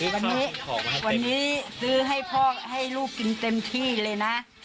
วันนี้วันนี้ซื้อให้พ่อให้ลูกกินเต็มที่เลยนะ